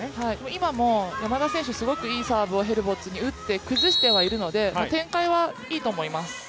今も、山田選手、すごくいいサーブをヘルボッツ選手に打って崩してはいるので展開はいいと思います。